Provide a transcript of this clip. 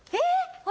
あれ？